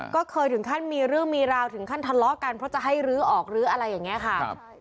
ก็เคยถึงขั้นมีเรื่องมีราวถึงขั้นทะเลาะกันเพราะจะให้ลื้อออกลื้ออะไรอย่างนี้ค่ะ